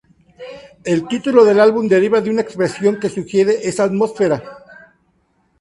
El título del álbum deriva de una expresión que sugiere esa atmósfera.